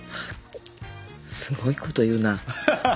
すごいこと言うな。